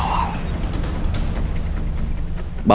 saya yang ikut bapak dari awal